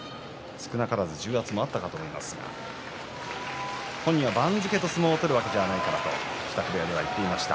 少なからず重圧もあったと思いますが本人は番付と相撲を取るわけではないと支度部屋で話していました。